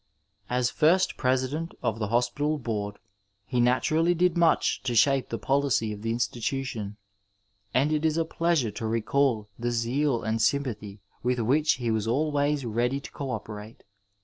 As first President of the Hospital Board he naturally did much to shape the policy of the institution, and it is a plea sure to recall the seal and sympathy with which he was always ready to co operate.